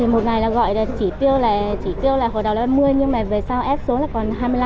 một ngày là gọi chỉ tiêu là hồi đầu là năm mươi nhưng mà về sau f số là còn hai mươi năm